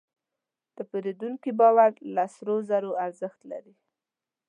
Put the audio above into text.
د پیرودونکي باور له سرو زرو ارزښت لري.